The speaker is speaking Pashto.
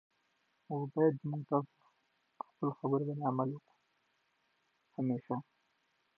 موږ باید د عمل خلک اوسو.